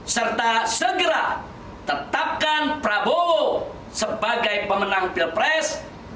serta segera tetapkan prabowo sebagai pemenang pilpres dua ribu sembilan belas